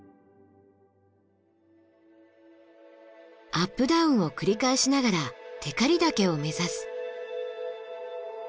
アップダウンを繰り返しながら光岳を目指す。